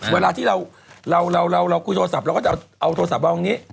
เวลาที่เราคุยโทรศัพท์เราก็จะเอาโทรศัพท์เราตรงนี้